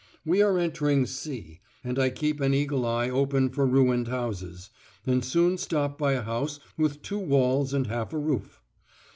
We are entering C , and I keep an eagle eye open for ruined houses, and soon stop by a house with two walls and half a roof.